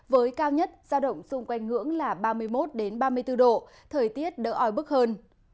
với cao nhất giao động xung quanh ngưỡng là ba mươi một ba mươi bốn độ thời tiết đỡ oi bức hơn